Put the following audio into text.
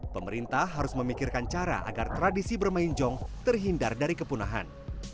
pemerintah harus memikirkan cara agar tradisi bermain jong terhindar dari kepunahan